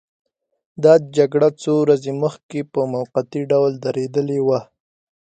دا جګړه څو ورځې مخکې په موقتي ډول درېدلې وه.